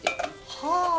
はあ。